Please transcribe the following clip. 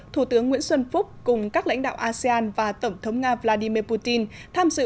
thủ tướng nguyễn xuân phúc cùng các lãnh đạo asean và tổng thống nga vladimir putin tham dự